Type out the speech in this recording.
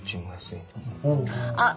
あっ！